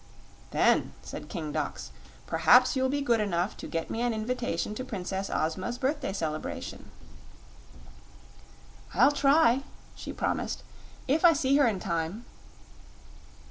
"Then," said King Dox, "perhaps you'll be good enough to get me an invitation to Princess Ozma's birthday celebration." "I'll try," she promised; "if I see her in time."